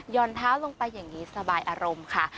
่อนเท้าลงไปอย่างนี้สบายอารมณ์ค่ะ